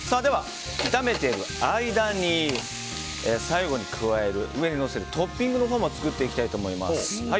炒めている間に最後に上にのせるトッピングのほうも作っていきたいと思います。